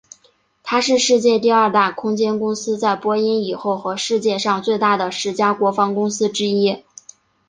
它是世界第二大空间公司在波音以后和世界上最大的十家国防公司之一。